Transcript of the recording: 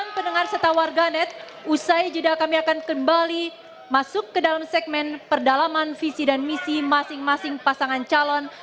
pendengar serta warganet usai jeda kami akan kembali masuk ke dalam segmen perdalaman visi dan misi masing masing pasangan calon